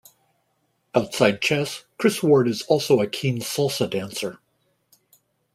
Outside chess, Chris Ward is also a keen Salsa dancer.